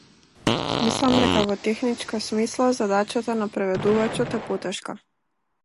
Мислам дека во техничка смисла задачата на преведувачот е потешка.